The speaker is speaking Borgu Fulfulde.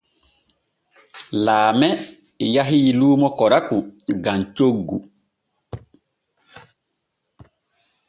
Laame yahii luumo koraku gam coggu.